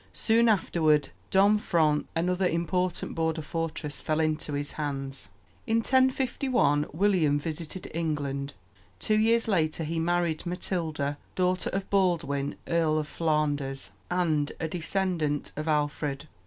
Soon afterward Domfront, another important border fortress, fell into his hands. In 1051 William visited England. Two years later he married Matilda, daughter of Baldwin, Earl of Flanders, and a descendant of Alfred.